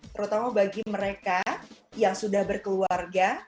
terutama bagi mereka yang sudah berkeluarga